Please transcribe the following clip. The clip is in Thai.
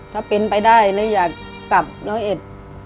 ถ้าเป็นไปได้เลยอยากกลับร้อยเอ็ด